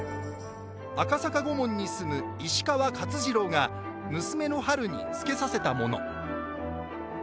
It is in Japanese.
赤坂御門に住む石川勝次郎が娘のはるに着けさせたもの。